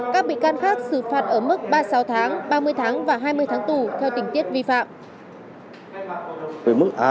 các bị can khác xử phạt ở mức ba mươi sáu tháng ba mươi tháng và hai mươi tháng tù theo tình tiết vi phạm